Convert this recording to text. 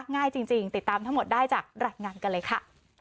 ง่ายจริงติดตามทั้งหมดได้จากรายงานกันเลยค่ะ